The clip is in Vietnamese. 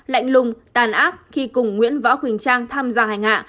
lạnh lùng tàn ác khi cùng nguyễn võ quỳnh trang tham gia hành hạ